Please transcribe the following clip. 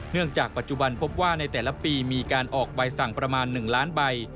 จากปัจจุบันพบว่าในแต่ละปีมีการออกใบสั่งประมาณ๑ล้านใบ